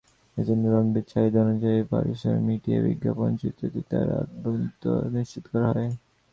এজন্য রণবীরের চাহিদা অনুযায়ী পারিশ্রমিক মিটিয়ে বিজ্ঞাপনচিত্রটিতে তাঁর অন্তর্ভুক্তি নিশ্চিত করা হয়।